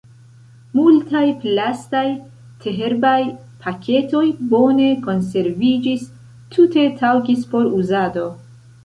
Multaj plastaj teherbaj paketoj bone konserviĝis, tute taŭgis por uzado.